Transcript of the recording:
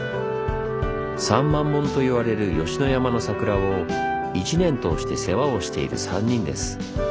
３万本といわれる吉野山の桜を一年通して世話をしている３人です。